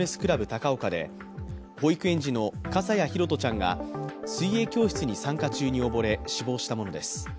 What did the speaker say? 高岡で保育園児の笠谷拓社ちゃんが水泳教室に参加中に溺れ死亡したものです。